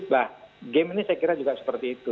nah game ini saya kira juga seperti itu